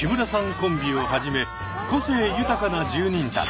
コンビをはじめ個性豊かな住人たち。